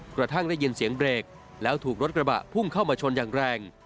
กระทั่งได้ยินเสียงเบรกแล้วถูกรถกระบะพุ่งเข้ามาชนอย่างแรง